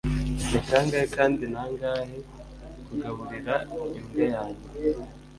ni kangahe kandi nangahe kugaburira imbwa yanjye